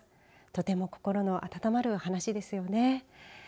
とても心の温まる話ですよね。